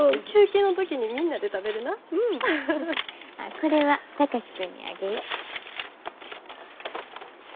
これは貴司君にあげよ。